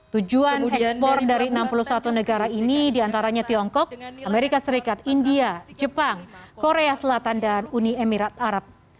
tujuan ekspor dari enam puluh satu negara ini diantaranya tiongkok amerika serikat india jepang korea selatan dan uni emirat arab